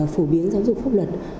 phổ biến giáo dục pháp luật